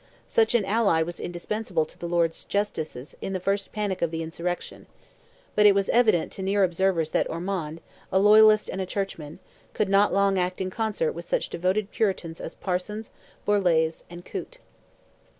Such an ally was indispensable to the Lords Justices in the first panic of the insurrection; but it was evident to near observers that Ormond, a loyalist and a churchman, could not long act in concert with such devoted Puritans as Parsons, Borlase, and Coote.